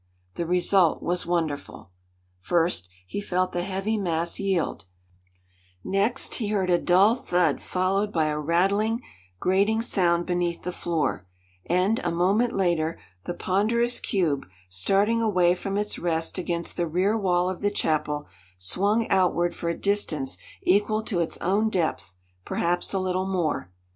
The result was wonderful. First, he felt the heavy mass yield; next, he heard a dull thud followed by a rattling, grating sound beneath the floor; and, a moment later, the ponderous cube, starting away from its rest against the rear wall of the chapel, swung outward for a distance equal to its own depth, perhaps a little more.